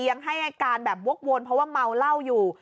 ยังให้การแบบวกวนเพราะว่าเมาเหล้าอยู่